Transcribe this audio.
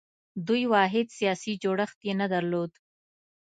دوی واحد سیاسي جوړښت یې نه درلود